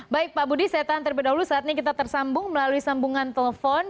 baik pak budi saya tahan terlebih dahulu saat ini kita tersambung melalui sambungan telepon